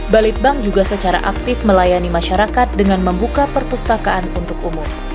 balitbank juga secara aktif melayani masyarakat dengan membuka perpustakaan untuk umum